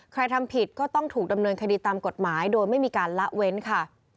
ทำผิดก็ต้องถูกดำเนินคดีตามกฎหมายโดยไม่มีการละเว้นค่ะ